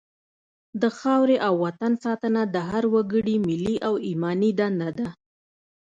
د خاورې او وطن ساتنه د هر وګړي ملي او ایماني دنده ده.